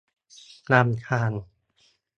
นำทาง